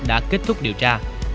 đã kết thúc điều tra